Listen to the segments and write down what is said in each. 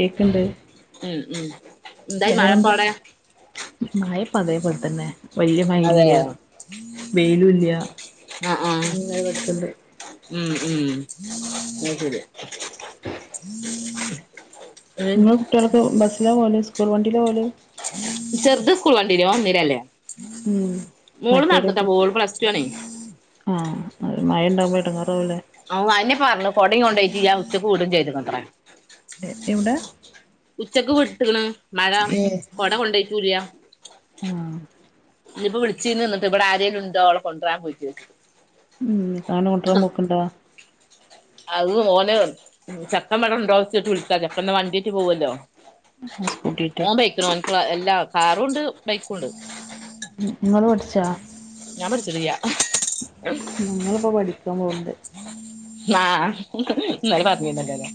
കേക്ക്ണ്ട് ഉം ഉം എന്തായി വേറെന്താ മഴപ്പവിടെ മയപ്പോ അതേപലെ തന്നെ വല്ല്യാ മയ അതെ ഇല്ല്യാ വെയിലു ഇല്ല്യ ആഹ് ആഹ് ഉം ഉം [unintelligible] ഉം നിങ്ങളേ കുട്ടിളോക്ക് ബെസ്സിലാ പോലെ സ്കൂള് വണ്ടിയില് പോലെ ചെറുത സ്കൂൾ വണ്ടില്ല വന്നിര അല്ലേ ഉം [unintelligible] മോള് പ്ലസ് ടു ആണെ ആ അ മഴ ഉണ്ടാവകുമ്പോയിട്ട് കുറവില്ലേ ഓ അന്നെ പറഞ്ഞു കൊടയും കൊണ്ടോയിട്ട് ഞാ ഉച്ച കൂടും ചെയ്തു കൊത്ര എവിടെ ഉച്ചക്ക് വീട്ടിണ് മഴ കൊട കൊണ്ടയ്റ്റു ല്ല ആഹ ഇനിപ്പോ വിളിച്ചിനിന്നിട്ട് ഇവിടാരേലുണ്ടോ ഓള കൊണ്ടരാ പോയിട്ട് ഉം കാണണ കുട്ടിയള് [unintelligible] അത് മോന് ചക്കമെടുണ്ടോച്ചിട്ട് വിളിച്ചാ ചക്കേന്റ വണ്ടീട്ട് പോവോല്ലോ ആഹ് സ്കൂട്ടിറ്റാ [unintelligible] എല്ലാ കാറുണ്ട് ബൈക്കുണ്ട് നിങ്ങള് പഠിച്ചാ ഞാൻ പഠിച്ചിട്ടില്ല ഞങ്ങളിപ്പോ പഠിക്കാ പോന്ന്ണ്ട് [unintelligible] ആഹ് ഇന്നല പറഞ്ഞീട്ട്ണ്ടല്ലേ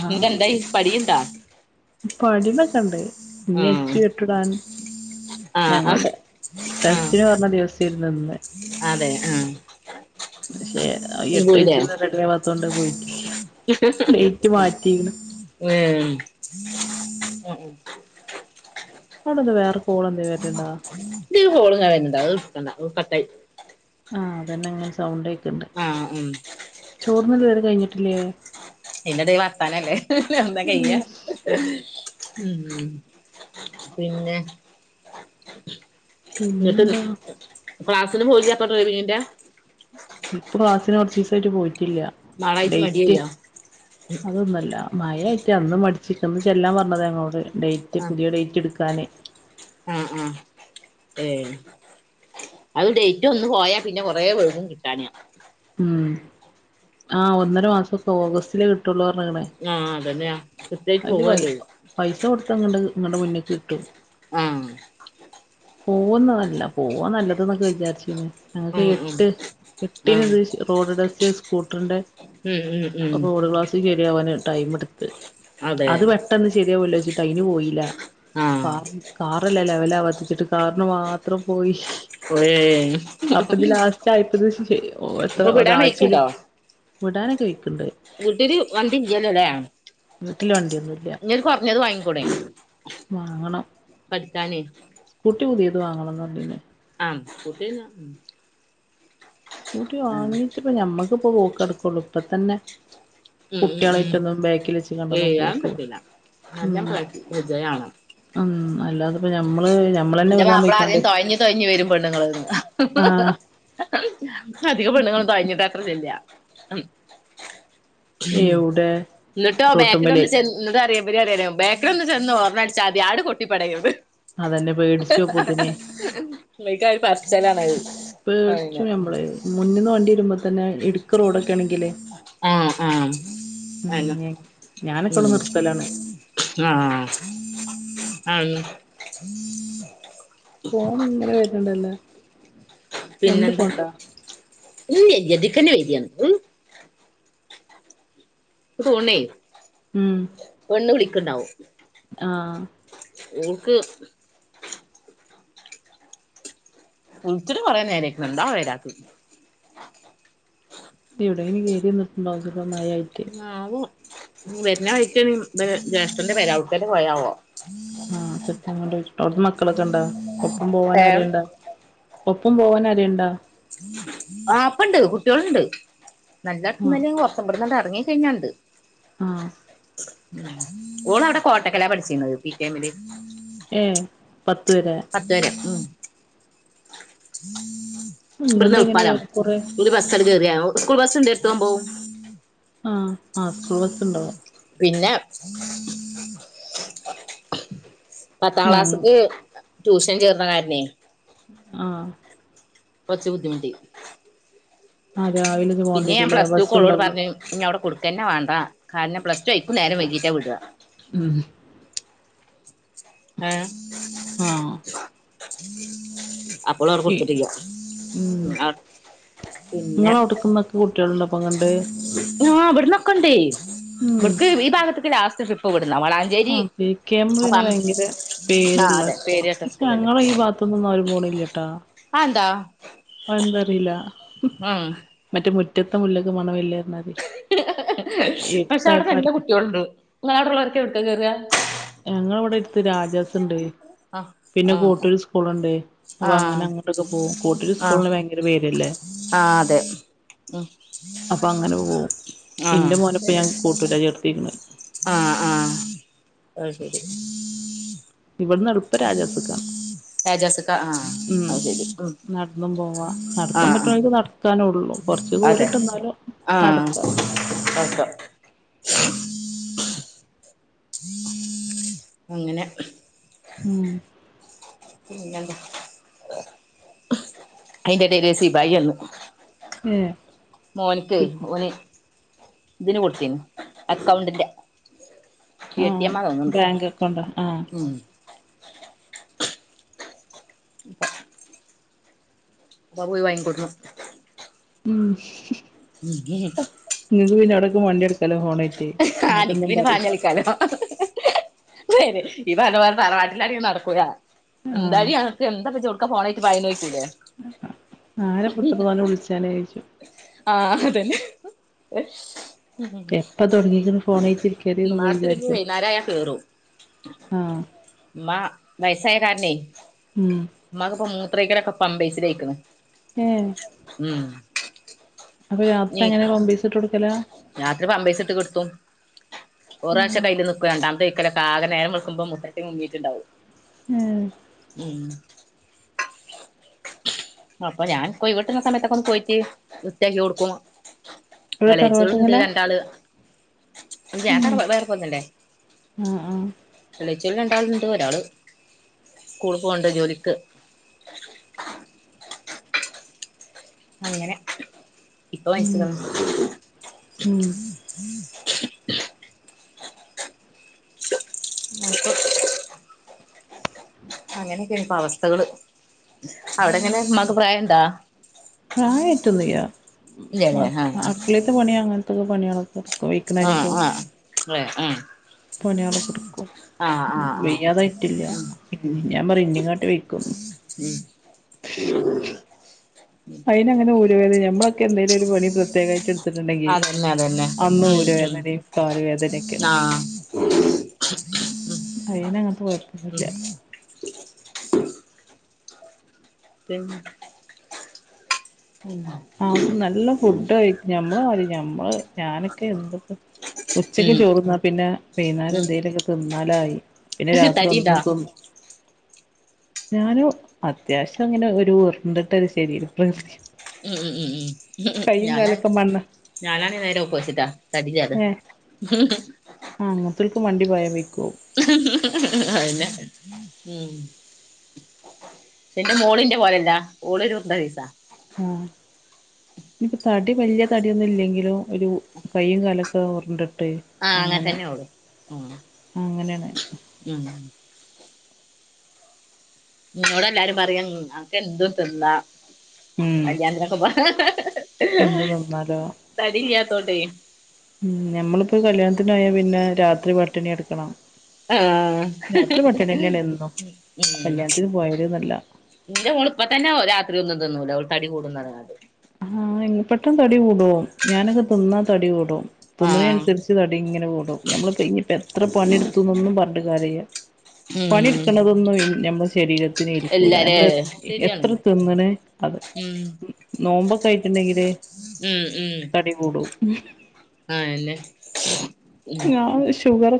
എന്നിട്ടെന്തായി പഠിക്കണ്ടാ പഠിമെക്കണ്ടേ ഇനി അച്ചു എട്ടിടാൻ ആഹ് ആഹ് ഞങ്ങോട്ട് ആഹ് ടെസ്റ്റിന് പറഞ്ഞ ദിവസം ഇരുന്നു ഇന്ന് അതെ ആഹ് പക്ഷെ ഇന്ന് എട്ട് പോയില്ലേ വച്ചിന്ന് റെഡായാവാത്തോണ്ട് പോയിട്ടില്ല ഡേറ്റ് ആഹ് മാറ്റിക്ക്ണ് ഉം [unintelligible] അവിടന്താ വേറ കോൾ എന്തെ വരണണ്ട [unintelligible] കട്ടായി ആഹ് അതന്നെ അങ്ങനെ സൗണ്ട് കേക്ക്ണ്ട് ആഹ് ഉം ചോർന്നല്ല ഇതുവര കഴിഞ്ഞിട്ടില്ലേ ഇയിന്റെടേ വർത്താനല്ലേ ഒന്നാ ഉം കഴിക്കാം ഉം പിന്നെ എന്നിട്ട് പിന്നെന്താ ക്ലാസ്സിന് പോയില്ല അപ്പ ഡ്രൈവിങ്ങിന്റ ഇപ്പൊ ക്ലാസിന് കൊറച്ച് ദിവസായിട്ട് പോയിട്ടില്ല നാളായിട്ട് ഡേറ്റ് മടിയായില്ലേ അതൊന്നല്ല മയായിട്ട് അന്ന് മടിച്ചിരിക്കന്ന് ചെല്ലാൻ പറഞ്ഞതാ ഞങ്ങളോട് ഡേറ്റ് ആഹ് പുതിയ ഡേറ്റ് എടുക്കാനെ ആഹ് ആഹ് ഏഹ് അത് ഡേറ്റ് ഒന്ന് പോയാ പിന്നെ കൊറേ കൊഴുകും കിട്ടാന് ഉം ആഹ് ഒന്നര മാസൊക്കെ ഓഗസ്റ്റില് കിട്ടുള്ളൂ പറഞ്ഞക്കണെ ആഹ് അതന്നെയാ കൃത്യായിട്ട് അഞ്ച് പൈ പോവല്ലേ പൈസ കൊടുത്താങ്ങ്ണ്ട് ഇങ്ങട് മുന്നേ കിട്ടും ഉം പോവുന്നതല്ല പോവാൻ നല്ലത് എന്നൊക്കെ വിചാരിച്ചീന് ഞങ്ങൾക്ക് ഉം ഉം എട്ട് എട്ടിന് ആഹ് ഇത് റോഡ് ടെസ്റ്റ് സ്കൂട്ടറിന്റെ ഉം ഉം ഉം റോഡ് ക്ലാസ് ശരി ആവാന് ടൈം എടുത്ത് അതെ അത് പെട്ടെന്ന് ശരിയാവല്ലോ വച്ചിട്ട് അയിന് പോയില്ല ആഹ് കാറ് കാറല്ലേ ലെവലാവത്തിച്ചിട്ട് കാറിന് മാത്രം പോയി ഏഹ് അപ്പൊ ഇത് ലാസ്റ്റ് ആയിപ്പത് എത്ര ഇപ്പൊ വിടാൻ ആഴ്ച്ചെല് വൈക്കുണ്ടോ വിടാനൊക്കെഴ്ക്ക്ണ്ട് വീട്ടില് വണ്ടി [unintelligible] ല്ലേ വീട്ടില് വണ്ടിയൊന്നുംല്ല ഒര് കൊറഞ്ഞത് വാങ്ങിക്കൂടേ വാങ്ങണം പഠിക്കാനേ പുട്ടി പുതിയത് വാങ്ങണംന്ന് പറഞ്ഞിന് ആഹ് [unintelligible] കൂട്ടി ആഹ് വാങ്ങിട്ടപ്പം ഞമ്മക്കിപ്പൊ പോക്ക് നടക്കുള്ളൂ ഇപ്പ തന്നെ ഉം ഉം ഉം കുട്ടിയളാറ്റൊന്നും ബാക്കിൽ വച്ച് കണ്ടൊന്നും പോക്ക് [unintelligible] ഉം ഉം അല്ലാതിപ്പോ ഞമ്മള് ഞമ്മളന്നെ ന്റ വികാൻ മാപ്പിള ആദ്യം പോയിക്കാണ്ടേ തൊഴഞ്ഞ് തൊഴഞ്ഞ് വരും പെണ്ങ്ങളൂട ആഹ് അധികം പെണ്ണുങ്ങളും തൊഴഞ്ഞിട്ടാത്ര ചെല്ല ഉം എവിടെ ന്നട്ടോ റോട്ടുമ്മല് ബേക്കിലൊന്ന് ചെൻ ഇന്താ അറിയോഇവരറിയ ബേക്ക്ല് ഒന്ന് ചെന്ന് ഓർണ് അടിച്ചാതി ആങ്ങട് കൊട്ടിപ്പടയൂന്ന് അതന്നെ പേടിച്ചു അപ്പോത്തിന് ആയപ്പം അച്ഛനാണ് പേട്ച്ചും ഞമ്മളെയ്. മുന്നിന്ന് വണ്ടി വരുമ്പോ തന്നെ ഇടുക്ക് റോഡൊക്കേണെങ്കില് ആഹ് ആഹ് അന്നെ ഉം ഉം ഞാനെപ്പളും നിർത്തലാണ് ആഹ് ആന്ന് ഫോണ്ങ്ങനെ വര്ന്ണ്ടല്ലോ. രണ്ട് ഫോൺ ണ്ടാ ഉം എന്നെ കൊണ്ട് വയ്യെന്ന് ഉം ക്ക് തോൺണെയ് ഉം പെണ്ണ് വിളിക്ക്ണ്ടാവും ആഹ് ഓൾക്ക് വിൾച്ചിട്ട് കൊറേ നേരായിക്ക്ണ്.. എന്താവ വരാത്തെ എവിടെങ്കിലും കേറി നിന്നിട്ടുണ്ടാവും ചെല്പ മയായിട്ടേയ് ആവോ.. വെര്ന വഴികേനിം ബലെ ജ്യേഷ്ഠന്റെ പെരാ. ഔട്ക്കെറ്റെ പോയാവോ? ആഹ് ചെപ്പ അങ്ങോട്ട് അവിടുന്ന് മക്കളൊക്കെ ഉണ്ടാ ഒപ്പം പോവാന് ഏഹ് ആരുണ്ടാ ഒപ്പം പോവാനാരേംണ്ട ആപ്പണ്ട്. കുട്ട്യൊളുണ്ട് നല്ലട് ആഹ് ത്ത്ന്നല്ലെങ്കിലും കൊർച് ഇബട്ന്നണ്ട് എർങ്ങി കൈഞ്ഞാണ്ട് ആഹ് ഉം ഓളവിടെ കോട്ടക്കലാ പഠിച്ചിന്നത്. പി കെ എമ്മില് ഏഹ് പത്ത് വരെ പത്തുവരെ ഉം ബട്ന്ന് ഇങ്ങണ്ട് എങ്ങനെ എൾപ്പാല്ലോ വര കൊറെ ഒരു ബസ്സണ്ട് കേറിയാ സ്കൂൾ ബസ്സ് ണ്ട് എട്ടും ഒംബോം ആഹ് ആ സ്കൂൾ ബസ്സ്ണ്ടാവും പിന്ന പത്താം ഞങ്ങ ക്ലാസ്സ്ക്ക് ട്യൂഷൻ ചേർന്ന കാര്നേയ് ആഹ് കൊർച്ച് ബുദ്ധിമുട്ടി ആഹ് രാവിലെ ഇത് പിന്നെ ഞാൻ പോണ്ടിരൂല്ലേ പ്ലസ് റ്റൂക്കോളോട് ബസ്സുണ്ടാവൂല പർഞ്ഞ് ഇന്നി ഔടെ കൊടുക്കന്നെ വാണ്ട. കാരണം പ്ലസ് ടു ഐക്കും നേരം വൈകിട്ടാ വിടുക ഉം ഏഹ് ആഹ് ഇപ്പളും അവടെ ഈ കൊടുത്തിട്ടില്ല ഉം ആഹ് ഇങ്ങളെ അവിട്ക്ക്ന്നൊക്കെ കുട്ടികളുണ്ടൊ അപ്പൊങ്ങട് ആഹ് വട്ന്നൊക്കണ്ടേയ്. ഉം വടക്ക് ഈ ഭാഗത്ത്ക്ക് ലാസ്റ്റ് ട്രിപ്പ് വട്ന്നാ വളാ ആഹ് പി കെ എം പിന്നെ വൈ യങ്കര ആ പേര്ള്ള അതെ പേര് സ്കൂളാ. കേട്ട പക്ഷെ സ്കൂളല്ലേ ഞങ്ങളെ ഈ ഭാത്ത്ന്നൊന്നും ആരും പോണില്യ ട്ടാ അഅന്താ അഅന്താറീല ഉം.. മറ്റെ മുറ്റത്തെ മുല്ലക്ക് മണമില്ലാർഞാതിരി പക്ഷെ അവടെ നല്ല കുട്ട്യോള്ണ്ട്. ങ്ങള അവിടുള്ളവരൊക്കെ എവിട്ക്കാ കേറുക ഞങ്ങളവിടെ എട്ത്ത് രാജാസ് ഇണ്ടേയ്. ആഹ് പിന്നെ ആഹ് കോട്ടൂര് സ്കൂളുണ്ട് അപ്പൊ അങ്ങനെ ആഹ് അങ്ങോട്ടൊക്കെ പോവും. കോട്ടൂര് ആഹ് സ്കൂൾന് ആഹ് ഭയങ്കര പേരല്ലേ അതെ ഉം അപ്പങ്ങനെ പോവും. ആഹ് ഇന്റെ മോനപ്പ ഞാൻ കോട്ടൂരാ ചേർത്തിക്ക്ണത് ആഹ് ആഹ് അഹ്ശരി ഇവിട്ന്ന് എളുപ്പം രാജാസ്ക്കാ ഏജാസിക്ക ആഹ് ഉം അത് ശരി ഉം നട്ന്നും പോവാ. നടക്കാൻ ആഹ് ആഹ് പറ്റ്ണോ ൽക്ക് നട്ക്കാനൊള്ളൂ. കൊർച്ച് അതെ ദൂരണ്ട്ന്നാലും ആഹ് നടക്ക ഒക്കെ. അങ്ങനെ മ് പിന്നെ എന്താ അയിന്റെ എടേല് സി ഭായി വന്നു. ഏഹ് മോന്ക്ക് ഓന് ഇതിന് കൊടുത്തീനു അക്കൗണ്ടിന്റെ. എ ടി ആഹ് എം തോന്നണ്ട്, ബാങ്ക് അക്കൗണ്ടാ ആഹ് മ് [unintelligible] മ് മ് മ് ഇങ്ങക്ക് പിന്നെ എവടേക്ക് വണ്ടി എടുക്കാലോ [unintelligible] [unintelligible] ആരൊന്നും പറിം ഈ പറഞ്ഞ പോലെ തറവാട്ടിലാണെ നടക്കൂല, എന്തായാലും ആഹ് ഞങ്ങക്ക് എന്താ ഇപ്പ [unintelligible] ഇക്കെ ഫോണായിട്ട് [unintelligible] നാളെ [unintelligible] വിളിച്ചാനെ [unintelligible] ആഹ് അതന്നെ മ് മ് മ് പ്പ തൊടങ്ങിക്കണ് ഫോണായിട്ട് ഇരിക്കല് [unintelligible] വിചാരിക്കും. [unintelligible] ഉമ്മ ആഹ് വയസായ കാരണെ. മ് ഉമ്മാക്കിപ്പോ മൂത്രയ്ക്കലൊക്കെ പമ്പേയ്സിലായിക്ക്ണ്. ഏഹ് മ് അപ്പ രാത്രി എങ്ങനെ പാമ്പേയ്‌സ് ഇട്ട് കൊടുക്കലാ. രാത്രി പാമ്പേയ്സ് ഇട്ട് കെട്ത്തും. ഉം ഒറാവശ്യക്കെ അയ്ല് നിക്കും, രണ്ടാമത്തെ ഒയ്ക്കലൊക്കെ ആകെ നേരം വെളുക്കുമ്പോ മൂത്രത്തി മുങ്ങീട്ടുണ്ടാവും. ഉം മ് അപ്പ ഞാൻ ന്ക്ക് ഒയിവ് കിട്ടണ സമയത്തൊക്കെ ഒന്ന് പോയിട്ട് വൃത്തിയാക്കി കൊടുക്കും. ഇവിടെ എളെച്ച്കള് ഇണ്ട് തറവാട്ടുങ്കല രണ്ടാള്. ഇല്ലാ അത് ഉം അവടെ വ് വേറെ പോന്നല്ലേ. ആഹ് ആഹ് എളെച്ചള് രണ്ടാള്ണ്ട് ഒരാള് സ്കൂളി പോണ്ട് ജോലിക്ക് അങ്ങനെ ഇപ്പൊ മ് മരിച്ച്ക്ക്ണ് മ് ഇപ്പൊ അങ്ങനെയൊക്കെയാണ് ഇപ്പ അവസ്ഥകള്, അവടെങ്ങനെ ഉമ്മാക്ക് പ്രായം ഇണ്ടാ? പ്രായായിട്ടൊന്നുല്ല, ഇല്ലല്ലേ ആഹ് [unintelligible] അടുക്കളെത്തെ പണി അങ്ങനത്തൊക്കെ പണികളൊ ആഹ് [unintelligible] ആഹ് ആഹ് പണികളൊക്കെ എടുക്കും. ആഹ് ആഹ് ആഹ് ആഹ് വെയ്യാതായിട്ടില്ല, ഞാ പറയും ഇന്നെ കാട്ടി വെയ്ക്കും. ആ അയിനങ്ങനെ ഉരു വേദന ഞമ്മളൊക്കെ എന്തേലും ഒരു പണി പ്രത്യേകായിട്ട് എട്ത്തിട്ടുണ്ടെങ്കി അതന്നെ അതന്നെ അന്ന് ഉം ഊര് ഉം വേദനയും കാല് വേദനൊക്കെയാണ്. ആഹ് ഉം അയിനങ്ങനത്തെ ഉം കൊഴപ്പൊന്നുല്ല പിന് മ് ആ‌ നല്ല ഫുഡ് കഴിക്കും, ഞമ്മള് മതി ഞമ്മള് ഞാനൊക്കെ എന്തൊക്കെ ഉച്ചക്ക് ചോറുന്നാ പിന്നെ വൈന്നേരം എന്തേലൊക്കെ തിന്നാലായി. പിന്നെ ഉം രാത്രി തടിണ്ടാ ഒന്നും തിന് ഞാന് അത്യാവശ്യം അങ്ങനെ ഒരു ഉര്ണ്ടിട്ട ഒരു ശരീര പ്രകൃതിയാ ഉം ഉം ഉം ഉം ഞാനാ കാലൊക്കെ മണ്ണ ഞാനാണ് നേരെ ഒപ്പസിറ്റ തടില്ലാതെ. ആഹ് അങ്ങന്‌ത്തോൽക്ക് മണ്ടി പയാൻ വെയ്ക്കോ അയ്നെ എന്റെ മോളിന്റെ പോലെല്ലാ ഓളൊരു ഉര്ണ്ട സൈസാ ആഹ ഇനിപ്പോ തടി വലിയ തടിയൊന്നും ഇല്ലെങ്കിലുംഒരു കൈയും കാലൊക്കെ ഉറിണ്ടിട്ട് ആഹ് അങ്ങനെ തന്നെ ഓള് ഉം അങ്ങനെയാണ്. ഉം നോടെ എല്ലാരും പറയാ അനക്കെന്തും തിന്ന ഉം കല്യാണത്തിന പോവ എന്ത് തിന്നാലോ തടില്ലാതോണ്ട് ഉം ഞമ്മളിപ്പോ കല്യാണത്തിന്യാ പോയ പിന്നെ രാത്രി പട്ടിണി കെടുക്കണം. ആഹ് എന്നും ഉം കല്യാണത്തിന് പോയാല്ന്നല്ല ഇന്റെ മോള് ഇപ്പ തന്നെ രാത്രി ഒന്നും തിന്നുല്ല അവള് തടി കൂടും പറഞ്ഞ് ക്കാണ്ട്. ആഹ് പെട്ടെന്ന് തടി കൂടോ ഞാനൊക്കെ തിന്നാ തടി കൂടും. ആ തിന്നണിനുസരിച്ച് തടിങ്ങെനെ കുടും ഞമ്മളിപ്പോ ഇനിപ്പ എത്ര പണി എടുത്തന്നൊന്നും പറഞ്ഞിട്ട് കാര്യല്ല. ഉം പണിട്ക്കണതൊന്നും നമ്മുടെ ശരീരത്തിന് എൽക്കൂല്ല എല്ലാരേ നമ്മളെ എത്ര ശരിയാണ് തിന്നണ് അത് ഉം നോമ്പൊക്കെ ആയിട്ടുണ്ടെങ്കില് ഉം ഉം തടി കൂടും ആന്നെ ഉം ഷുഗർ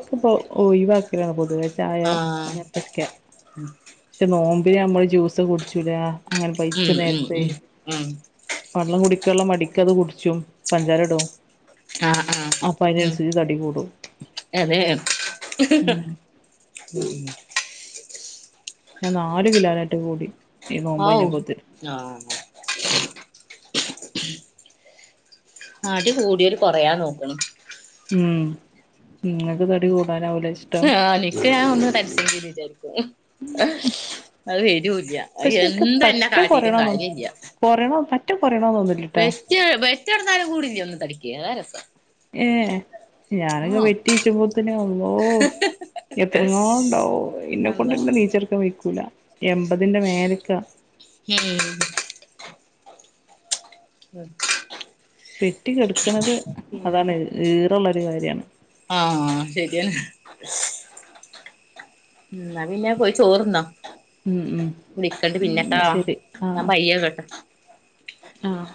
ഒഴവാക്കലാണ് പൊതുവേ ചായ ആ അങ്ങനത്തൊക്കെ ശെ നോമ്പിന് നമ്മള് ജ്യൂസ് കുടിച്ചൂല അങ്ങനെ പൈയ്ച്ച ഉം ഉം നേരത്ത് ഉം ഉം വെള്ളം കുടിക്കുള്ള മടിക്കത് കുടിച്ചും പഞ്ചാരടും. ആഹ് ആഹ് ഉം തടി കൂടും അതെയൊ ഉം ഉം ഞാന് നാലു കിലോനായിട്ട് കൂടി. ഈ നോമ്പ് ഹാവൂ കഴിഞ്ഞപ്പോത്തിന് ആഹ് തടി കൂടിയോല് കൊറയാൻ നോക്കണ്. ഉം നിങ്ങക്ക് തടി കൂടാാനാവലെ ഇഷ്ടം എ ഒന്ന് തടിചെങ്കിവിചാരിക്കും അത് വരുല്ല. പക്ഷെ എന്തന്നെ കാട്ടിട്ടും കാര്യംല്ല. കൊറയണോ പറ്റെകൊറയണോ തോന്നില്ലട്ടാ. ജ് വെറ്റടുന്നാലും കൂടില്ല ഒന്ന് തടിക്ക അതാ രസം. ഏ ഞാനക്കെ ആഹ് പെറ്റിചുമ്പത്തിനെ വന എത്രങ്ങാനുണ്ടാവും എന്നെക്കൊണ്ട് അള്ളാഹ് നീച്ചെടുക്കാൻ വയ്ക്കൂല എൺമ്പതിന്റെ മേലക്കാ ഉം ഉം പെറ്റി കെടുക്കണത് അതാണ് ഈറള്ളൊരു കാര്യം. ആഹ് ശരിയാണ്. ഉം ന്നാ പിന്നെ പോയി ചോറിന്നോ ഉം ഉം വിളിക്കണ്ട് ഉം പിന്നെട്ടോ ന്നാ ശരി ഞാൻ ആഹ് കയ്യ കേട്ടെ ആഹ്